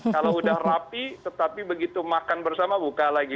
kalau sudah rapi tetapi begitu makan bersama buka lagi